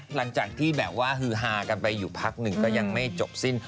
หลังจากที่แบบว่าฮือฮากันไปอยู่พักหนึ่งก็ยังไม่จบสิ้น